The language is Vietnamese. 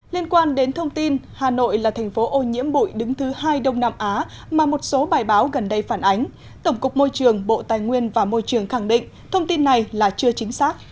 liên quan đến thông tin hà nội là thành phố ô nhiễm bụi đứng thứ hai đông nam á mà một số bài báo gần đây phản ánh tổng cục môi trường bộ tài nguyên và môi trường khẳng định thông tin này là chưa chính xác